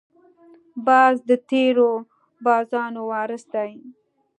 باز د تېرو بازانو وارث دی